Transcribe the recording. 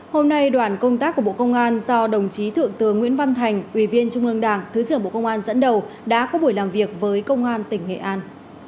hôm nay đoàn công tác của bộ công an do đồng chí thượng tướng nguyễn văn thành ủy viên trung ương đảng thứ trưởng bộ công an dẫn đầu đã có buổi làm việc với công an tỉnh nghệ an